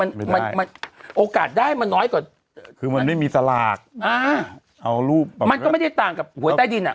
มันมันโอกาสได้มันน้อยกว่าคือมันไม่มีสลากอ่าเอารูปมามันก็ไม่ได้ต่างกับหวยใต้ดินอ่ะ